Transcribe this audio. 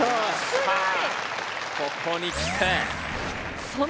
すごい。